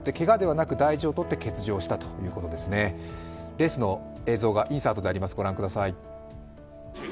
レースの映像がインサートであります、ご覧ください。